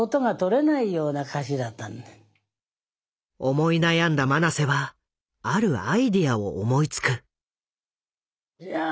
思い悩んだ曲直瀬はあるアイデアを思いつく。